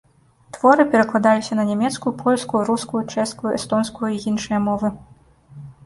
Творы перакладаліся на нямецкую, польскую, рускую, чэшскую, эстонскую і іншыя мовы.